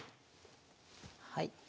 はい。